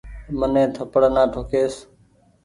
مني ٿپڙ نآ ٺوڪيس ۔